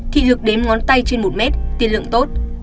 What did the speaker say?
thị lực đếm ngón tay trên một m tiên lượng tốt